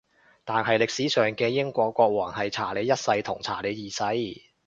但係歷史上嘅英國國王係查理一世同查理二世